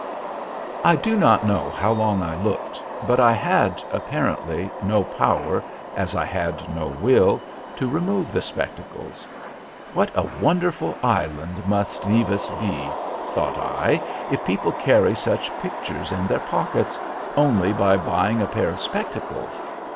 "I do not know how long I looked, but I had, apparently, no power, as I had no will, to remove the spectacles. What a wonderful island must Nevis be, thought I, if people carry such pictures in their pockets, only by buying a pair of spectacles!